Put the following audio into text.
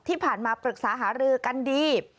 ที่ผ่านมาปรึกษาหารือกันดี